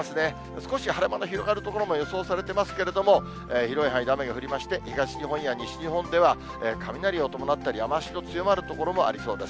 少し晴れ間の広がる所も予想されていますけれども、広い範囲で雨が降りまして、東日本や西日本では雷を伴ったり、雨足の強まる所もありそうです。